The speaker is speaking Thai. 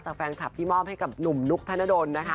จากแฟนคลับที่มอบให้กับหนุ่มนุกธนดล